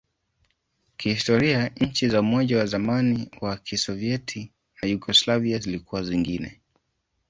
Kihistoria, nchi za Umoja wa zamani wa Kisovyeti na Yugoslavia zilikuwa zingine.